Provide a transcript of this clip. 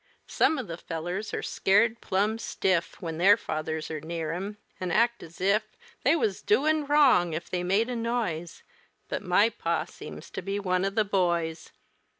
Some of the fellers are scared plumb stiff When their fathers are near 'em an' act as if They wuz doing wrong if they made a noise, But my pa seems to be one of the boys.